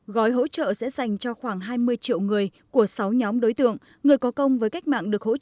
gói hỗ trợ sẽ dành cho khoảng hai mươi triệu người của sáu nhóm đối tượng người có công với cách mạng được hỗ trợ năm trăm linh đồng